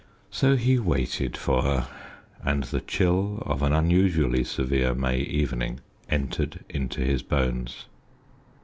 So he waited for her, and the chill of an unusually severe May evening entered into his bones.